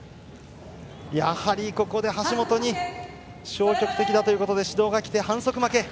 やはりここで橋本に消極的だということで指導が来て反則負け。